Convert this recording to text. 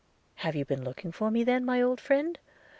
'Have you been looking for me then, my old friend?'